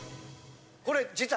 これ実は。